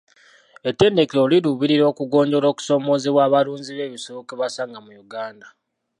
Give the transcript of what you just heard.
Ettendekero liruubirira okugonjoola okusoomoozebwa abalunzi b'ebisolo kwe basanga mu Uganda.